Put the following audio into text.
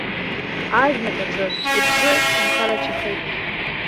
Азныказы, иԥсы имхарацәахеит.